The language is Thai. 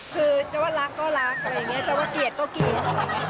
คือจะว่ารักก็รักอะไรอย่างนี้จะว่าเกลียดก็เกลียด